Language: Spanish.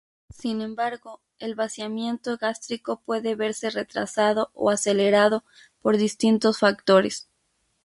Sin embargo, el vaciamiento gástrico puede verse retrasado o acelerado por distintos factores.